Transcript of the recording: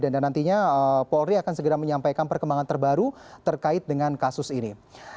dan nantinya polri akan segera menyampaikan perkembangan terbaru terkait dengan kasus ini